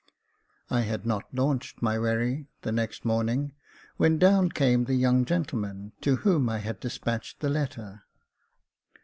I had not launched my wherry the next morning, when down came the young gentleman to whom I had despatched the letter.